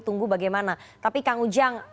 tunggu bagaimana tapi kang ujang